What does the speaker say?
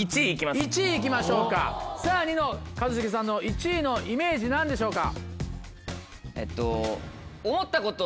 １位行きましょうかさぁニノ一茂さんの１位のイメージ何でしょうか？